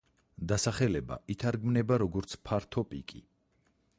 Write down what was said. დასახელება ითარგმნება, როგორც „ფართო პიკი“.